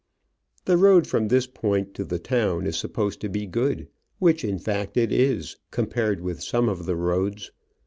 The road from this point to the town is supposed to be good, which, in fact, it is, com pared with some of the roads.